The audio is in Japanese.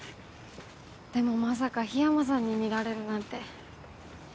でもまさか緋山さんに見られるなんて。